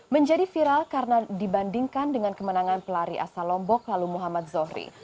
menjadi viral karena dibandingkan dengan kemenangan pelari asal lombok lalu muhammad zohri